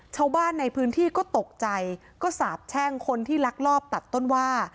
ชาวบ้านในพื้นที่ก็ตกใจก็สาบแช่งคนที่ลักลอบตัดต้นว่า